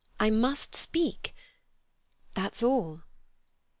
I must speak. That's all."